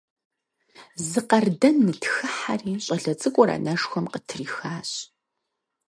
Зы къардэн нытхыхьэри, щӀалэ цӀыкӀур анэшхуэм къытрихащ.